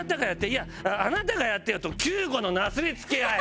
「いやあなたがやってよ！」と救護のなすりつけ合い。